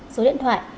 số điện thoại